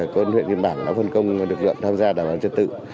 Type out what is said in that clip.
quân huyện liên bản đã phân công lực lượng tham gia đảm bảo trật tự